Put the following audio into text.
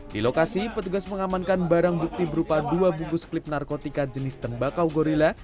di lokasi petugas mengamankan barang bukti berupa dua bungkus klip narkotika jenis tembakau gorilla